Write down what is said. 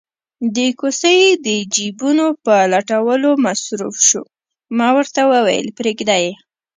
د کوسۍ د جېبونو په لټولو مصروف شو، ما ورته وویل: پرېږده یې.